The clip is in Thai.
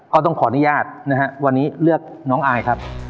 ก็ต้องขออนุญาตนะฮะวันนี้เลือกน้องอายครับ